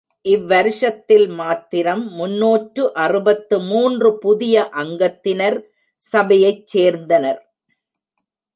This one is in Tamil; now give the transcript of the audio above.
இவ்வருஷத்தில் மாத்திரம் முன்னூற்று அறுபத்து மூன்று புதிய அங்கத்தினர் சபையைச் சேர்ந்தனர்.